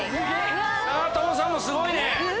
長友さんもすごいね。